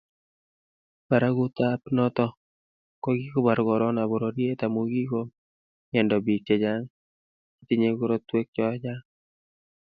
Barakutap noto ko kikobar korona pororiet amu kikomiando bik chechang chetinyei korotwek chechang